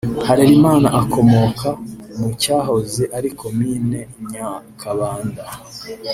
Harerimana akomoka mu cyahoze ari Komine Nyakabanda